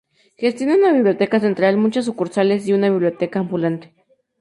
Gestiona una Biblioteca Central, muchas sucursales, y una Biblioteca Ambulante.